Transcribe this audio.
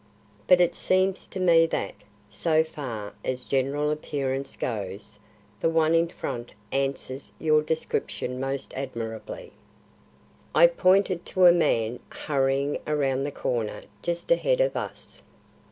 "But it seems to me that, so far as general appearance goes, the one in front answers your description most admirably." I pointed to a man hurrying around the corner just ahead of us.